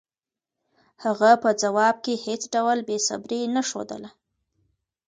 هغه په ځواب کې هېڅ ډول بېصبري نه ښودله.